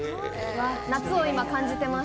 夏を今、感じています。